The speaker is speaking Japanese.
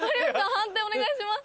判定お願いします。